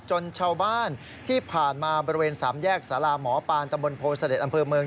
ชาวบ้านที่ผ่านมาบริเวณสามแยกสาราหมอปานตำบลโพเสด็จอำเภอเมือง